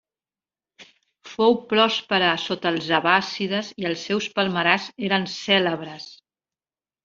Fou pròspera sota els abbàssides i els seus palmerars eren cèlebres.